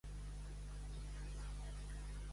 Ser més roín que la carn de coll.